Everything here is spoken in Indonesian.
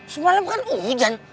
semalam kan hujan